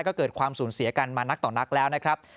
ก็เกิดความสูญเสียกันมานักต่อนักแล้วนะครับ